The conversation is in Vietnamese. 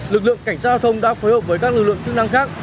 lực lượng cảnh sát giao thông đã phối hợp với các lực lượng chức năng khác